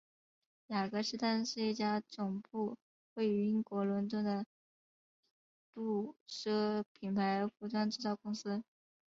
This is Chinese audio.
雅格狮丹是一家总部位于英国伦敦的奢侈品牌服装制造公司。